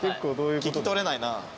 聞き取れないな。